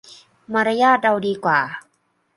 มารยาทเราดีกว่า